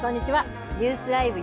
ニュースＬＩＶＥ！